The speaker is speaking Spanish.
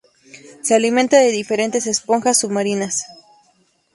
Se alimenta de diferentes esponjas submarinas.